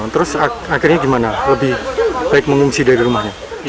terus akhirnya gimana lebih baik mengungsi dari rumahnya